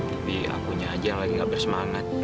lebih akunya aja yang lagi gak bersemangat